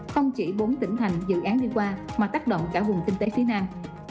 không chỉ bốn tỉnh thành dự án đi qua mà tác động cả vùng kinh tế phía nam